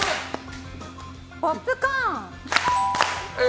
ポップコーン！